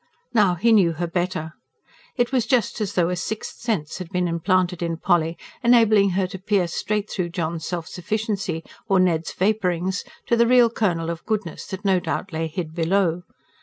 Now, he knew her better. It was just as though a sixth sense had been implanted in Polly, enabling her to pierce straight through John's self sufficiency or Ned's vapourings, to the real kernel of goodness that no doubt lay hid below.